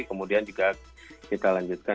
kemudian juga kita lanjutkan